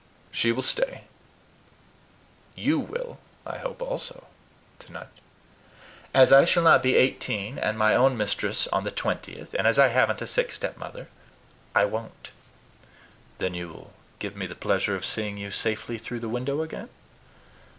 "She will stay YOU will, I hope, also tonight." "As I shall not be eighteen, and my own mistress on the twentieth, and as I haven't a sick stepmother, I won't." "Then you will give me the pleasure of seeing you safely through the window again?"